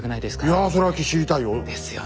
いやそれは知りたいよ。ですよね。